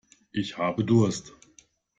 Ich habe Durst.